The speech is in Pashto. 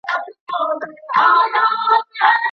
زده کړه باید د ماشوم له ورځني ژوند سره تړاو ولري.